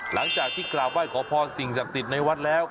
หลังจากที่กราบไหว้ขอพรสิ่งศักดิ์สิทธิ์ในวัดแล้ว